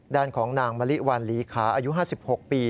ด้านของนางมะลิวันหลีขาอายุ๕๖ปี